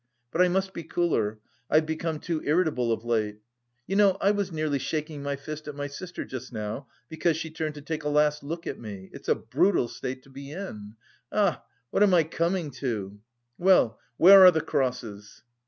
But I must be cooler; I've become too irritable of late. You know I was nearly shaking my fist at my sister just now, because she turned to take a last look at me. It's a brutal state to be in! Ah! what am I coming to! Well, where are the crosses?"